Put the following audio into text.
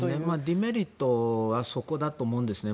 デメリットはそこだと思うんですね。